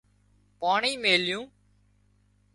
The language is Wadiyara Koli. پاڻي ميليُون